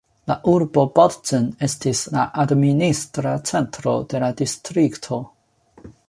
La urbo Bautzen estis la administra centro de la distrikto.